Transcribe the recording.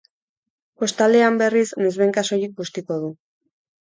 Kostaldean, berriz, noizbehinka soilik bustiko du.